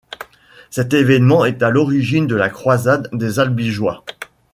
Cet évènement est à l'origine de la croisade des albigeois.